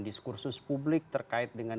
diskursus publik terkait dengan